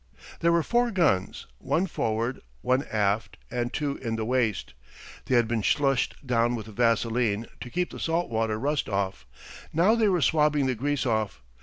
There were four guns, one forward, one aft, and two in the waist. They had been slushed down with vaseline to keep the salt water rust off; now they were swabbing the grease off.